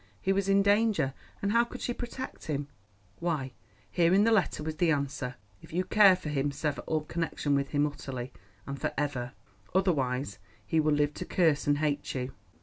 He was in danger, and how could she protect him? Why here in the letter was the answer! "If you care for him sever all connection with him utterly, and for ever. Otherwise, he will live to curse and hate you."